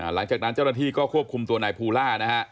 หลังจากนั้นเจ้าหน้าที่ก็ควบคุมตัวนายภูล่านะฮะ